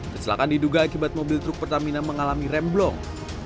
kecelakaan diduga akibat mobil truk pertamina mengalami remblong